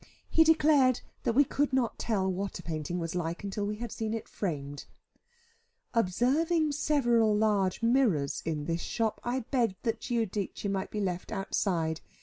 He declared that we could not tell what a painting was like, until we had seen it framed. Observing several large mirrors in this shop, I begged that Giudice might be left outside.